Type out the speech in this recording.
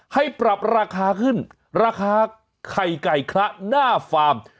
ให้ปรับราคาขึ้นราคาไข่ไก่คละหน้าฟาร์ม